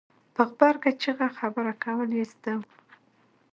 په غبرګه چېغه خبره کول یې زده وو.